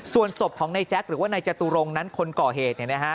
ส่วนศพของนายแจ๊คหรือว่านายจตุรงนั้นคนก่อเหตุเนี่ยนะฮะ